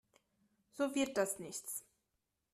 So wird das nichts.